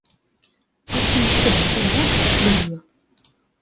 เอาพิมเสนไปแลกกับเกลือ